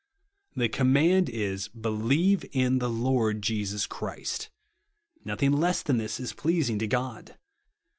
The command is, " Be lieve in the Lord Jesus Christ." Nothinsj less than this is pleasing to God.